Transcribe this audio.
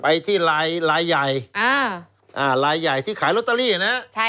ไปที่ลายลายใหญ่ลายใหญ่ที่ขายลอตเตอรี่นะ